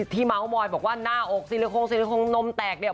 ที่เมาท์มอยด์บอกว่าหน้าอกซิลิโคนซิลิโคนนมแตกเนี่ย